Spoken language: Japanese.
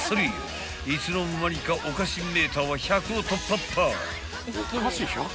［いつの間にかおかしメーターは１００を突破っぱ！］